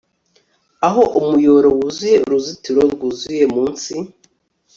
aho umuyoboro wuzuye uruzitiro rwuzuye munsi